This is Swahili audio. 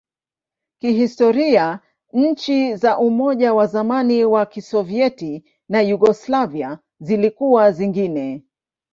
Kihistoria, nchi za Umoja wa zamani wa Kisovyeti na Yugoslavia zilikuwa zingine.